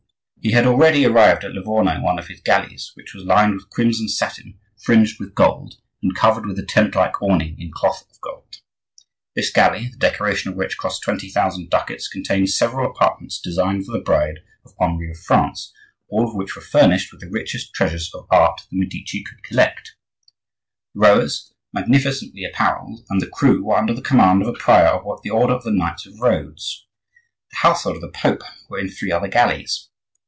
He had already arrived at Livorno in one of his galleys, which was lined with crimson satin fringed with gold, and covered with a tent like awning in cloth of gold. This galley, the decoration of which cost twenty thousand ducats, contained several apartments destined for the bride of Henri of France, all of which were furnished with the richest treasures of art the Medici could collect. The rowers, magnificently apparelled, and the crew were under the command of a prior of the order of the Knights of Rhodes. The household of the Pope were in three other galleys.